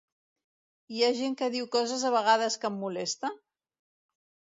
Hi ha gent que diu coses a vegades que em molesta?